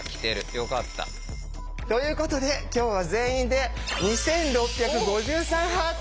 よかった。ということで今日は全員で２６５３ハート。